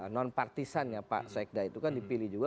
non partisan ya pak sekda itu kan dipilih juga